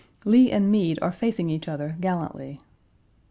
Lee and Meade are facing each other gallantly.